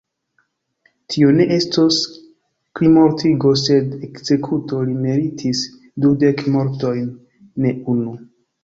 Tio ne estos krimmortigo, sed ekzekuto: li meritis dudek mortojn, ne unu.